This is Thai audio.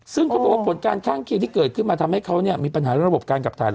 ซึ่งบทการข้างเคียงที่เกิดขึ้นมาทำให้เค้ามีปัญหาในระบบการกับท่าน